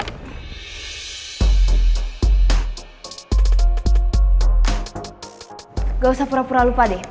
nggak usah pura pura lupa deh